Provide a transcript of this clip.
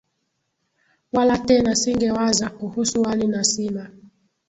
Wala tena singewaza, kuhusu wali na sima,